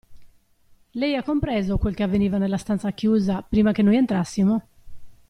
Lei ha compreso quel che avveniva nella stanza chiusa, prima che noi entrassimo?